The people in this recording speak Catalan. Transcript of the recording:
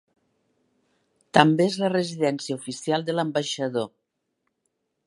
També és la residència oficial de l'Ambaixador.